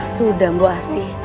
sudah mbok asy